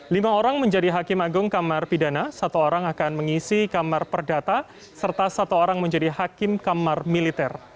lima orang menjadi hakim agung kamar pidana satu orang akan mengisi kamar perdata serta satu orang menjadi hakim kamar militer